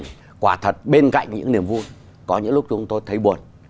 nhưng quả thật bên cạnh những niềm vui có những lúc chúng tôi thấy buồn